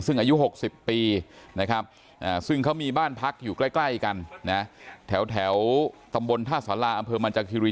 ซึ่งอายุ๖๐ปีนะครับซึ่งเขามีบ้านพักอยู่ใกล้กันนะแถวตำบลท่าสาราอำเภอมันจากคิรี